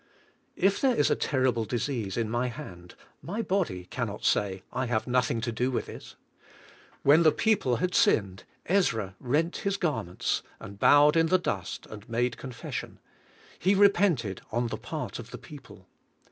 '' If there is a terrible disease in my hand, my body can not say, " I have nothing to do with it." When the people had sinned Ezra rent his garments and bowed in tlie dust and made confession. He repented on the part of the peo ple.